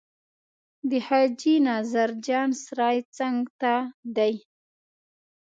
د حاجي نظر جان سرای څنګ ته دی.